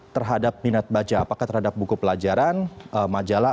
terhadap minat baca apakah terhadap buku pelajaran majalah